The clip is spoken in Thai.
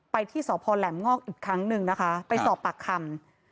ที่สพแหลมงอกอีกครั้งหนึ่งนะคะไปสอบปากคำ